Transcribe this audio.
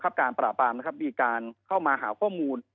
การปราบปรามนะครับมีการเข้ามาหาข้อมูล